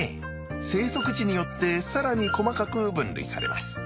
生息地によって更に細かく分類されます。